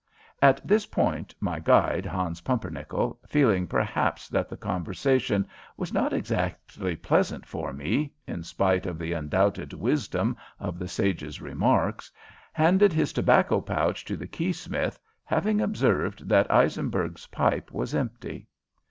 At this point my guide, Hans Pumpernickel, feeling perhaps that the conversation was not exactly pleasant for me, in spite of the undoubted wisdom of the sages' remarks, handed his tobacco pouch to the keysmith, having observed that Eisenberg's pipe was empty.